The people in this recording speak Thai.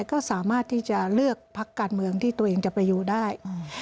ก็สามารถที่จะเลือกพักการเมืองที่ตัวเองจะไปอยู่ได้